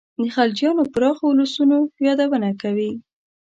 د خلجیانو پراخو اولسونو یادونه کوي.